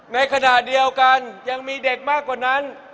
ในขณะเดียวกันยังมีเด็กมากกว่านั้น